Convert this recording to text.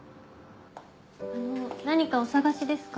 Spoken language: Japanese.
あの何かお探しですか？